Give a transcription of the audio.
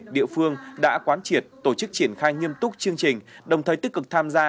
địa phương đã quán triệt tổ chức triển khai nghiêm túc chương trình đồng thời tích cực tham gia